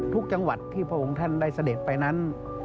ทุกจังหวัดที่พระองค์ท่านได้เสด็จไปนั้น